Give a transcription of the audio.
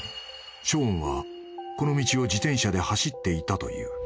［ショーンはこの道を自転車で走っていたという］